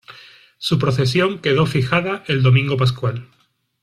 Su procesión quedó fijada el domingo pascual.